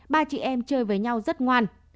ba chị em chơi với nhau rất ngoan